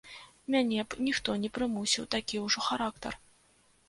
Мяне б ніхто не прымусіў, такі ўжо характар.